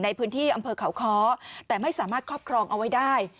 ในพื้นที่อำเภอเขาค้อแต่ไม่สามารถครอบครองเอาไว้ได้